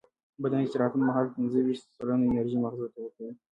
بدن د استراحت پر مهال پینځهویشت سلنه انرژي مغزو ته ورکوي.